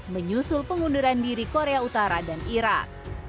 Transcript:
menyusul pengunduran diri korea utara dan irak